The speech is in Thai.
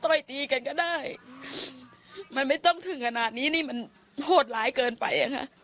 ใช่แค่ต่อยตีกันก็ได้มันไม่ต้องถึงขนาดนี้นี่มันโหดร้ายเกินไป